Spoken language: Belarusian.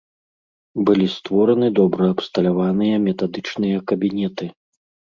Былі створаны добра абсталяваныя метадычныя кабінеты.